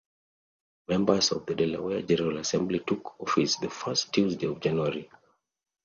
Members of the Delaware General Assembly took office the first Tuesday of January.